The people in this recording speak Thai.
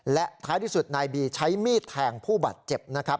และท้ายที่สุดนายบีใช้มีดแทงผู้บาดเจ็บนะครับ